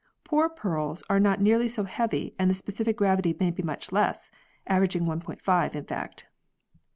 Poor pearls are not nearly so heavy and the specific gravity may be much less averaging T5 in fact.